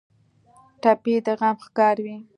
ټپي د غم ښکار وي.